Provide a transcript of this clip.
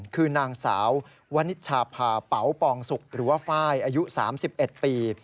คือนางสาววนิชชาพาเป๋าปองสุกหรือว่าไฟล์อายุ๓๑ปี